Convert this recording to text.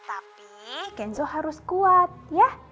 tapi kenzo harus kuat ya